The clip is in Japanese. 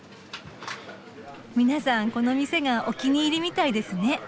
皆さんこの店がお気に入りみたいですね。